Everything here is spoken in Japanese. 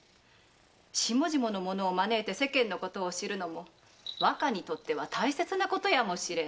下々の者を招いて世間のことを知るのも若にとっては大切なことやもしれぬ。